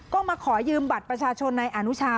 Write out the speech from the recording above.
ก็มาขอยืมบัตรประชาชนในอนุชา